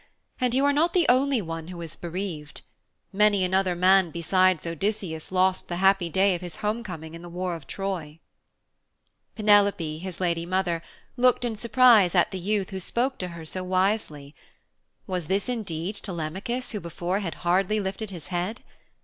And you are not the only one who is bereaved many another man besides Odysseus lost the happy day of his homecoming in the war of Troy.' Penelope, his lady mother, looked in surprise at the youth who spoke to her so wisely. Was this indeed Telemachus who before had hardly lifted his head?